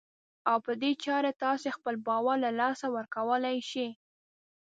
او په دې چارې تاسې خپل باور له لاسه ورکولای شئ.